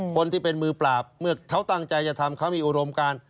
คนที่เป็นมือปราบเมื่อเขาตั้งใจจะทำเขามีอุดมการ